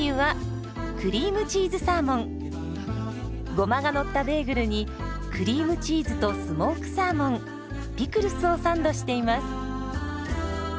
ゴマがのったベーグルにクリームチーズとスモークサーモンピクルスをサンドしています。